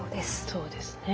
そうですね。